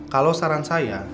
kalau saran saya